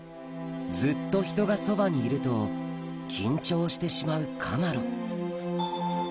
ずっと人がそばにいると緊張してしまうカマロ